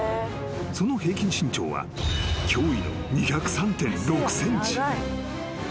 ［その平均身長は驚異の２０３．６ｃｍ］